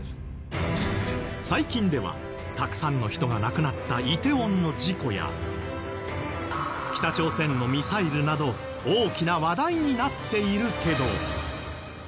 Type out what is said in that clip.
最近ではたくさんの人が亡くなった梨泰院の事故や北朝鮮のミサイルなど大きな話題になっているけど。